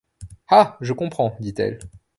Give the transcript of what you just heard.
Ah ! je comprends, dit-elle.